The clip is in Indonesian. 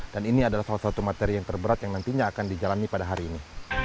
dan ini adalah salah satu materi yang terberat yang nantinya akan dijalani pada hari ini